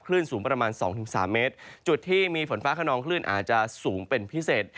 สูงประมาณสองถึงสามเมตรจุดที่มีฝนฟ้าขนองคลื่นอาจจะสูงเป็นพิเศษ